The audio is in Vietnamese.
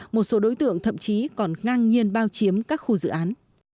một số đối tượng thậm chí còn ngang nhiên bao chiếm các khu dự án